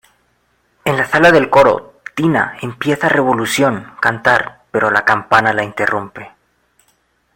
En la sala del coro Tina empieza Revolución cantar pero la campana la interrumpe.